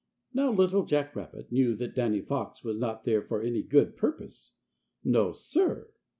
Now Little Jack Rabbit knew that Danny Fox was not there for any good purpose. No, sir.